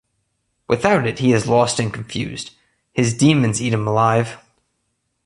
Without it, he is lost and confused; his demons eat him alive.